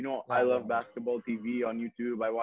kamu tahu saya suka menonton youtube di tv basketball